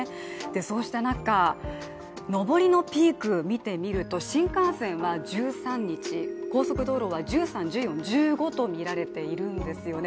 そうした中、上りのピーク見てみると新幹線は１３日、高速道路は１３、１４、１５とみられているんですよね。